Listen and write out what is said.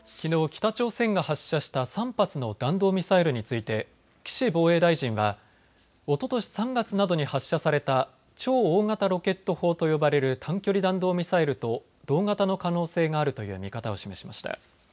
北朝鮮が発射した３発の弾道ミサイルについて岸防衛大臣はおととし３月などに発射された超大型ロケット砲と呼ばれる短距離弾道ミサイルと同型の可能性があるという見方を示しました。